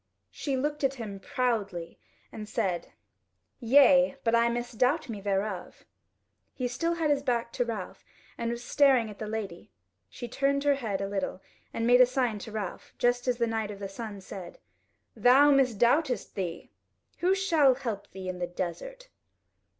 She looked at him proudly and said: "Yea, but I misdoubt me thereof." He still had his back to Ralph and was staring at the lady; she turned her head a little and made a sign to Ralph, just as the Knight of the Sun said: "Thou misdoubtest thee? Who shall help thee in the desert?"